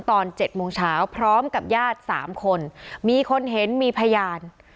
ตอน๗โมงเช้าพร้อมกับญาติ๓คนมีคนเห็นมีพยาน